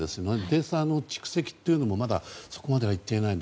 データの蓄積というのもそこまではいっていない。